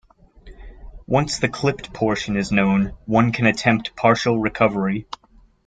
Once the clipped portion is known, one can attempt partial recovery.